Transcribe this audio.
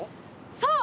そう！